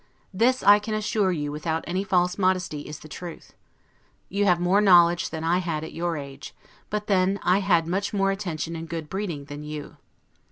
This, I can assure you, without any false modesty, is the truth: You have more knowledge than I had at your age, but then I had much more attention and good breeding than you.